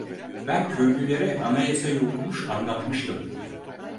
Ben köylülere Anayasa'yı okumuş, anlatmıştım.